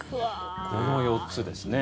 この４つですね。